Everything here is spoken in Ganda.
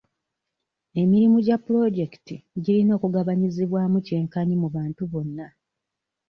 Emirimu gya pulojekiti girina okugabanyizibwaamu kyenkanyi mu bantu bonna.